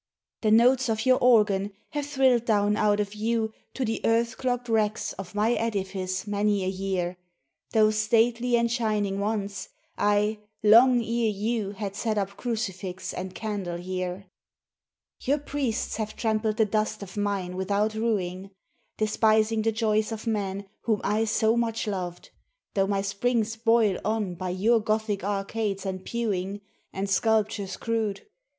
"The notes of your organ have thrilled down out of view To the earth clogged wrecks of my edifice many a year, Though stately and shining once—ay, long ere you Had set up crucifix and candle here. "Your priests have trampled the dust of mine without rueing, Despising the joys of man whom I so much loved, Though my springs boil on by your Gothic arcades and pewing, And sculptures crude ...